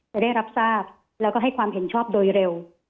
จะได้รับทราบแล้วก็ให้ความเห็นชอบโดยเร็ว